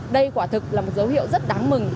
đây quả thực là một dấu hiệu rất đáng mừng